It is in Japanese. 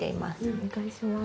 お願いします。